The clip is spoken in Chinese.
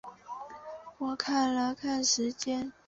我们看了看时间